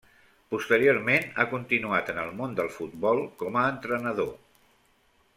Posteriorment ha continuat en el món del futbol com a entrenador.